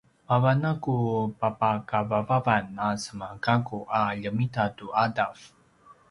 mavan a ku papakavavavan a semagakku a ljemita tu ’adav